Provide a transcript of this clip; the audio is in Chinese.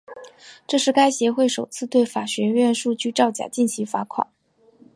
这是该协会首次对法学院数据造假进行罚款。